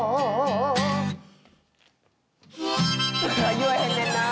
「言わへんねんな」